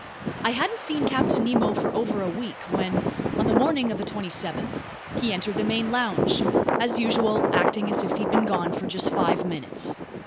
I hadn't seen Captain Nemo for over a week, when, on the morning of the 27th, he entered the main lounge, as usual acting as if he'd been gone for just five minutes.